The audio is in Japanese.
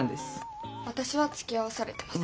私はつきあわされてます。